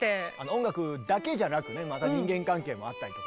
音楽だけじゃなくねまた人間関係もあったりとかね。